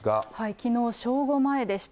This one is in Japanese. きのう正午前でした。